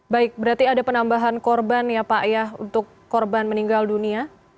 baik berarti ada penambahan korban ya pak ayah untuk korban meninggal dunia